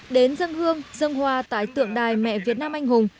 đến dân hương dân hoa tại tượng đài mẹ việt nam anh hùng